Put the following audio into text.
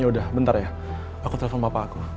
ya udah bentar ya aku telepon bapak aku